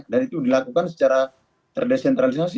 dan itu dilakukan secara terdesentralisasi